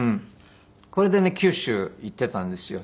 これでね九州行っていたんですよ。